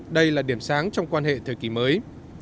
đây là điểm sáng trong quan hệ thời kỳ mới